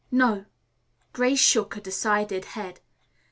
"No." Grace shook a decided head.